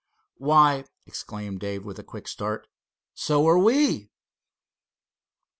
"Why," exclaimed Dave with a quick start, "so are we!"